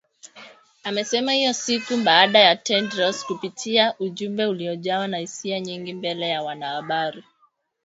Amesema hayo siku moja baada ya Tedros kupitia ujumbe uliojawa na hisia nyingi mbele ya wanahabari